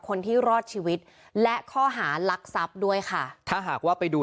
คนที่รอดชีวิตและข้อหารักทรัพย์ด้วยค่ะถ้าหากว่าไปดู